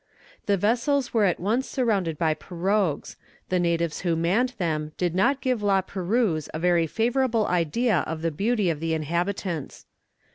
The vessels were at once surrounded by pirogues. The natives who manned them did not give La Perouse a very favourable idea of the beauty of the inhabitants.